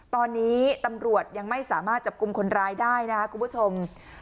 ตอนนี้ตำรวจยังไม่สามารถจับกลุ่มคนร้ายได้นะครับคุณผู้ชม